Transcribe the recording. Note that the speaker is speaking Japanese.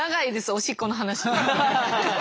おしっこの話。